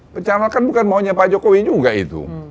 pencalonan kan bukan maunya pak jokowi juga itu